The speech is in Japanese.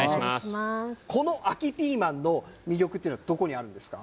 この秋ピーマンの魅力というのはどこにあるんですか。